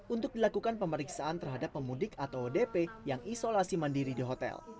untuk dilakukan pemeriksaan terhadap pemudik atau odp yang isolasi mandiri di hotel